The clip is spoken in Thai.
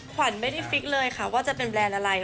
ขวัญไม่ได้ฟิกเลยค่ะว่าจะเป็นแบรนด์อะไร